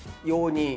に